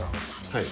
はい。